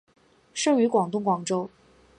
生于广东广州。